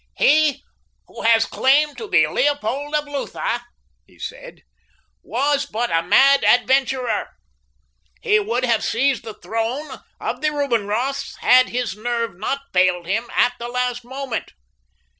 "He who claimed to be Leopold of Lutha," he said, "was but a mad adventurer. He would have seized the throne of the Rubinroths had his nerve not failed him at the last moment.